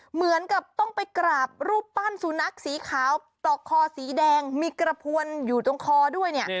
เหมือนกับต้องไปกราบรูปปั้นสุนัขสีขาวปลอกคอสีแดงมีกระพวนอยู่ตรงคอด้วยเนี่ย